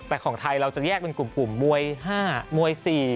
แต่ของไทยเราจะแยกเป็นกลุ่มมวย๕มวย๔